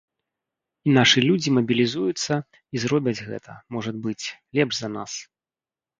І нашы людзі мабілізуюцца і зробяць гэта, можа быць, лепш за нас.